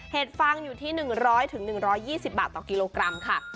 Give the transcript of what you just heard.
ฟังอยู่ที่๑๐๐๑๒๐บาทต่อกิโลกรัมค่ะ